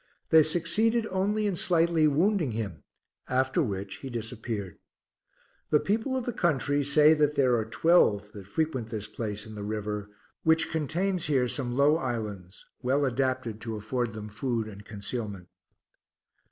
They succeeded only in slightly wounding him, after which he disappeared. The people of the country say that there are twelve that frequent this place in the river, which contains here some low islands, well adapted to afford them food and concealment.